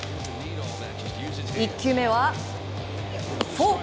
１球目はフォーク。